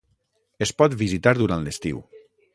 Es pot visitar durant l'estiu.